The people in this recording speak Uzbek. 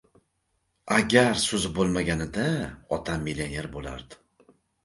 • «Agar» so‘zi bo‘lmaganida otam millioner bo‘lardi.